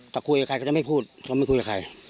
แต่คุยกับใครก็จะไม่พูดเค้าไม่คุยกับใคร